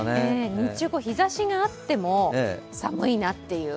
日中、日ざしがあっても寒いなっていう。